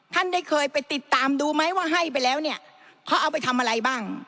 ท่านได้เคยไปติดตามดูไหมว่าให้ไปแล้วเนี่ยเขาเอาไปทำอะไรบ้าง